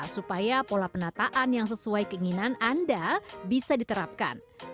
supaya pola penataan yang sesuai keinginan anda bisa diterapkan